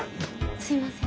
すいません。